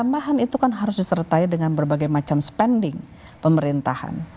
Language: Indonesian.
tambahan itu kan harus disertai dengan berbagai macam spending pemerintahan